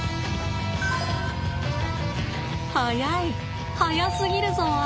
速い速すぎるぞ兄。